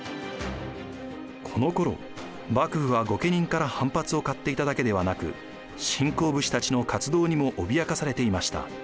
このころ幕府は御家人から反発を買っていただけではなく新興武士たちの活動にも脅かされていました。